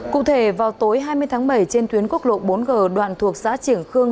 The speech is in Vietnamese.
cụ thể vào tối hai mươi tháng bảy trên tuyến quốc lộ bốn g đoạn thuộc xã triển khương